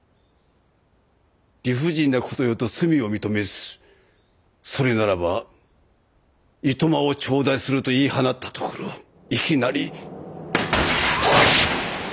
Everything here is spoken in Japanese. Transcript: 理不尽な事よと罪を認めずそれならばいとまを頂戴すると言い放ったところいきなり。